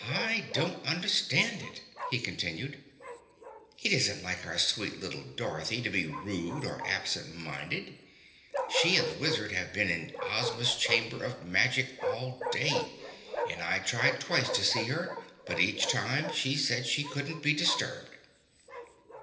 "I don't understand it," he continued. "It isn't like our sweet little Dorothy to be rude or absent minded. She and the Wizard have been in Ozma's Chamber of Magic all day and I tried twice to see her, but each time she said she couldn't be disturbed."